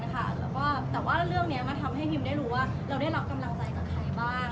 แล้วก็แต่ว่าเรื่องนี้มันทำให้พิมได้รู้ว่าเราได้รับกำลังใจจากใครบ้าง